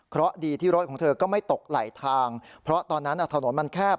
เพราะดีที่รถของเธอก็ไม่ตกไหลทางเพราะตอนนั้นถนนมันแคบ